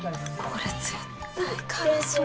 これ絶対辛そう。